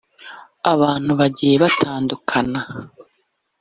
Abantu bagiye batandukana